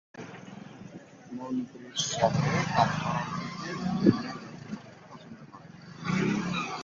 মন্ত্রীর সাথে কাজ করার থেকে মেয়ে নিয়ে ব্যস্ত থাকতে পছন্দ করেন।